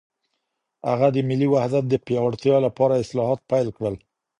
هغه د ملي وحدت د پیاوړتیا لپاره اصلاحات پیل کړل.